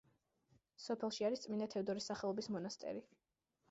სოფელში არის წმინდა თევდორეს სახელობის მონასტერი.